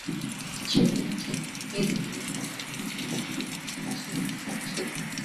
此站站名背景是所在的同名城市分区。